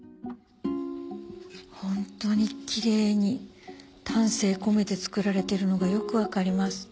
ホントにキレイに丹精込めて作られてるのがよく分かります。